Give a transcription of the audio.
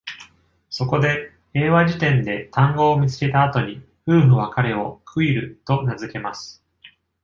そこで、英和辞典で単語を見つけた後に、夫婦は彼を「クイル」と名付けます。